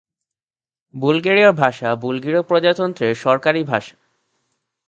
বুলগেরীয় ভাষা বুলগেরীয় প্রজাতন্ত্রের সরকারি ভাষা।